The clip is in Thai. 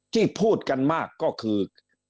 ที่พูดกันมากก็คือ